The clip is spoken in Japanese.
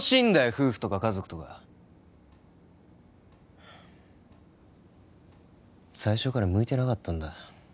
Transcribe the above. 夫婦とか家族とか最初から向いてなかったんだ